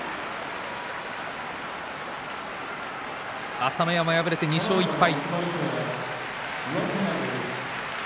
朝乃山敗れて２勝１敗。